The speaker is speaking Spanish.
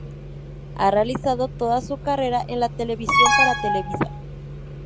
Ha realizado toda su carrera en la televisión para Televisa.